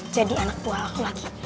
jadi anak tua aku lagi